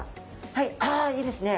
はいあいいですね！